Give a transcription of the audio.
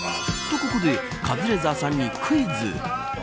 と、ここでカズレーザーさんにクイズ。